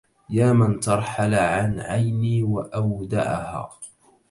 يا من ترحل عن عيني وأودعها